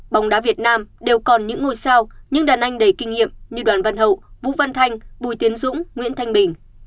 bóng đá việt nam đều còn những ngôi sao những đàn anh đầy kinh nghiệm như đoàn văn hậu vũ văn thanh bùi tiến dũng nguyễn thanh bình